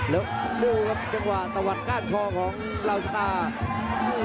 แล้วดูครับจังหวะตะวัดก้านคอของเหล่าชะตา